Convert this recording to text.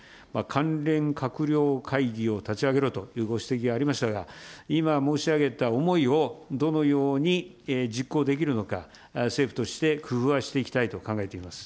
関連閣僚会議を立ち上げろというご指摘がありましたが、今申し上げた思いを、どのように実行できるのか、政府として工夫はしていきたいと考えております。